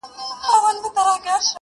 • ځکه دغسي هوښیار دی او قابِل دی,